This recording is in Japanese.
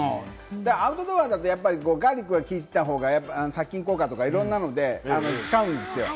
アウトドアだとガーリックが効いていたほうが殺菌効果とか、いろんなので使うんですよ。